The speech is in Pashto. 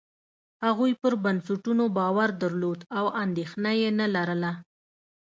هغوی پر بنسټونو باور درلود او اندېښنه یې نه لرله.